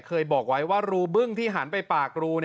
เคยบอกไว้ว่ารูบึ้งที่หันไปปากรู